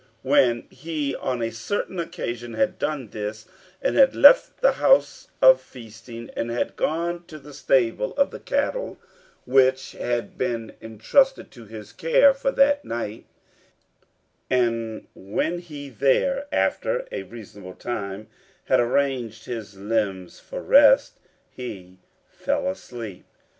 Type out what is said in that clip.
When he on a certain occasion had done this, and had left the house of feasting, and had gone to the stable of the cattle, which had been intrusted to his care for that night; and when he there, after a reasonable time, had arranged his limbs for rest, he fell asleep.